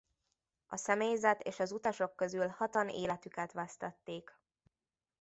A személyzet és az utasok közül hatan életüket vesztették.